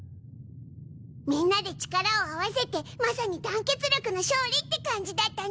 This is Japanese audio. みんなで力を合わせてまさに団結力の勝利って感じだったね！